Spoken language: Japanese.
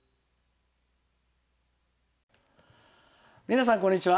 皆さん、こんにちは。